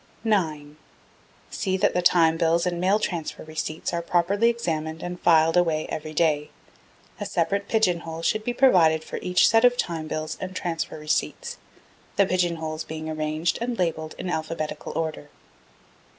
9. See that the Time Bills and Mail Transfer Receipts are properly examined and fyled away every day. A separate pigeon hole should be provided for each set of Time Bills and Transfer Receipts, the pigeon holes being arranged and labelled in alphabetical order.